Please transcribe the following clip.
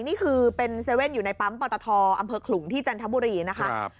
นี่คือเป็น๗๑๑อยู่ในปั๊มปอตทอำเภอขลุงที่จันทบุรีนะคะ